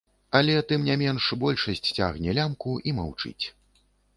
Але, тым не менш, большасць цягне лямку і маўчыць.